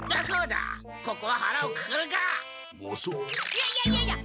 いやいやいやいや！